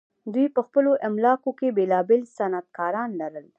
دوی په خپلو املاکو کې بیلابیل صنعتکاران لرل.